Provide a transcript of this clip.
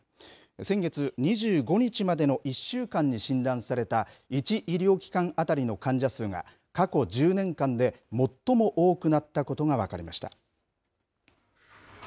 先月２５日までの１週間に診断された、１医療機関当たりの患者数が、過去１０年間で最も多くなったことが分かりました。